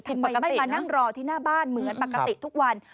ทำไมไม่มานั่งรอที่หน้าบ้านเหมือนปกติทุกวัน